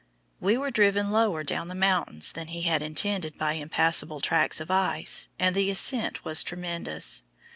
We were driven lower down the mountains than he had intended by impassable tracts of ice, and the ascent was tremendous.